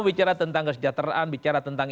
bicara tentang kesejahteraan bicara tentang